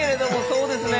そうですね。